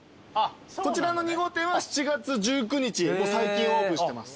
こちらの２号店は７月１９日最近オープンしてます。